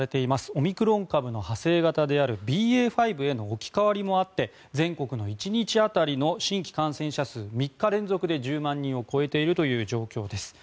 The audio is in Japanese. オミクロン株の派生型であるＢＡ．５への置き換わりもあって全国の１日当たりの新規感染者数３日連続で１０万人を超えているという状況です。